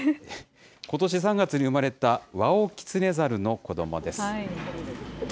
ことし３月に産まれたワオキツネザルの子どもです。